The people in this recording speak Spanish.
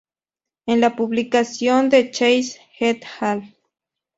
En la publicación de Chase "et al.